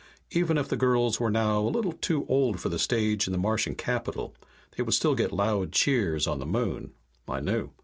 Even if the girls were now a little too old for the stage in the Martian capital, they would still get loud cheers on the Moon. I knew.